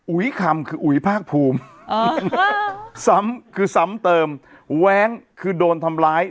คำคืออุ๋ยภาคภูมิซ้ำคือซ้ำเติมแว้งคือโดนทำร้าย